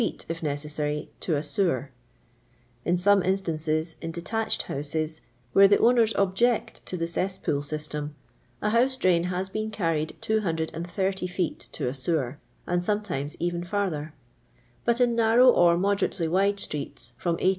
if neafi'Sary, to a sewer. In some instance?, in deUichcd houses, where the owners object to th" ceiiRpool fvtitem, a house drain lias been rarrirJ "I'M) fet* t to a sewer, and sometimes even ^riher : but in narrow or moderately wide streets, froia l.